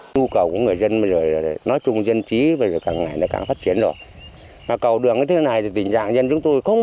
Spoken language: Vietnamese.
dù cầu của người dân mà rồi nói chung dân trí bây giờ càng ngày càng phát triển rồi